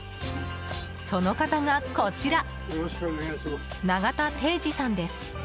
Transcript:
その方がこちら永田逓児さんです。